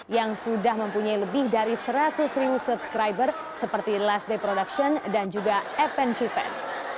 yang sudah mempunyai lebih dari seratus subscriber seperti last day production dan juga fn dua fan